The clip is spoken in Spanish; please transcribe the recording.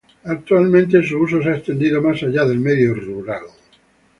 Actualmente su uso se ha extendido más allá del medio rural.